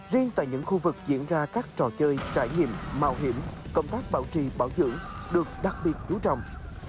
riêng tại những khu vực diễn ra các trò chơi trải nghiệm mạo hiểm công tác bảo trì bảo dưỡng được đặc biệt chú trọng